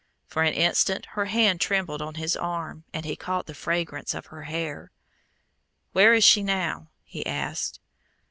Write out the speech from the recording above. For an instant her hand trembled on his arm, and he caught the fragrance of her hair. "Where is she now?" he asked.